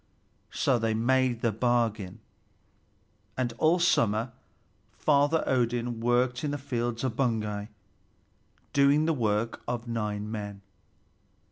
So they made the bargain, and all summer Father Odin worked in the fields of Baugi, doing the work of nine men.